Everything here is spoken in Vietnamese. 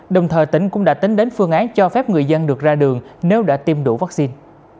đồng thời tỉnh cũng đã tính đến phương án cho phép người dân được ra đường nếu đã tiêm đủ vaccine